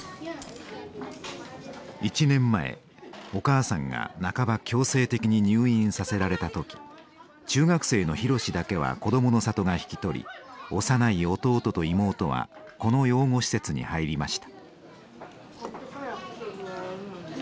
１年前お母さんが半ば強制的に入院させられた時中学生の博だけは「こどもの里」が引き取り幼い弟と妹はこの養護施設に入りました。